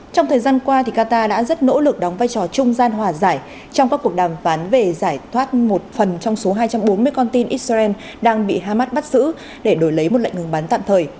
trong thời gian qua qatar đã rất nỗ lực đóng vai trò trung gian hòa giải trong các cuộc đàm phán về giải thoát một phần trong số hai trăm bốn mươi con tin israel đang bị hamas bắt giữ để đổi lấy một lệnh ngừng bắn tạm thời